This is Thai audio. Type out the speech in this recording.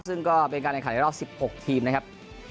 ซึ่งก็เป็นการแข่งขันในรอบ๑๖ทีมนะครับ